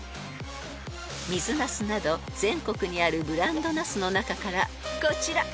［水なすなど全国にあるブランドなすの中からこちら］